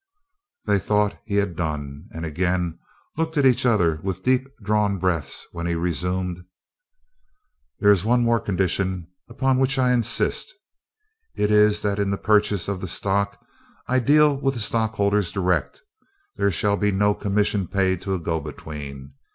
They thought he had done, and again looked at each other with deep drawn breaths, when he resumed: "There is one more condition upon which I insist: It is that in the purchase of the stock I deal with the stockholders direct. There shall be no commission paid to a go between."